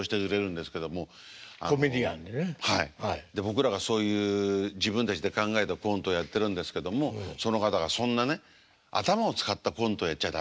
僕らがそういう自分たちで考えたコントをやってるんですけどもその方がそんなね頭を使ったコントをやっちゃ駄目だと。